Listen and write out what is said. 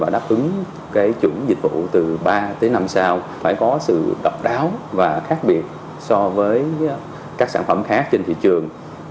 đáp ứng cái chuẩn dịch vụ từ ba tới năm sao phải có sự độc đáo và khác biệt so với các sản phẩm khác trên thị trường